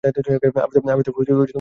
আমি তো কোনো উপায় ভেবে পাচ্ছি নে।